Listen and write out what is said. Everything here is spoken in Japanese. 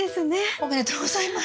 おめでとうございます。